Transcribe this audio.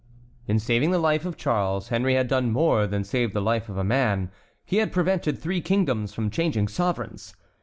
In saving the life of Charles, Henry had done more than save the life of a man,—he had prevented three kingdoms from changing sovereigns.